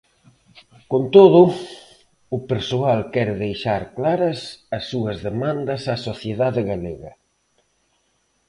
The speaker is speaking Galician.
Con todo, o persoal quere deixar claras as súas demandas á sociedade galega.